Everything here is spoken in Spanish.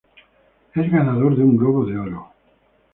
Es ganador de un Globo de oro.